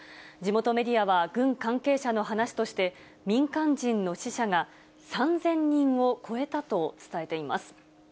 地元メディアは軍関係者の話として、民間人の死者が３０００人を超えたと伝えています。